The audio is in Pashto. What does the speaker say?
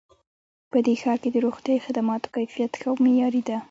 په دې ښار کې د روغتیایي خدماتو کیفیت ښه او معیاري ده